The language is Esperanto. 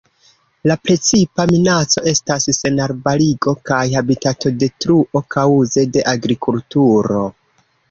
La precipa minaco estas senarbarigo kaj habitatodetruo kaŭze de agrikulturo.